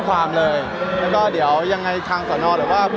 อ่าได้ไปครับ